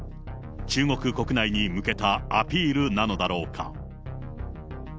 中国国内に向けたアピールなのだろうか。